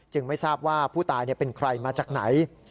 ไม่ทราบว่าผู้ตายเป็นใครมาจากไหน